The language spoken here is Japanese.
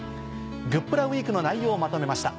グップラウィークの内容をまとめました。